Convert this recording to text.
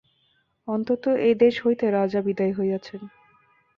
অন্তত এই দেশ হইতে রাজা বিদায় হইয়াছেন।